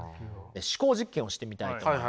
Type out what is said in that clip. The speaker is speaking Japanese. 思考実験をしてみたいと思います。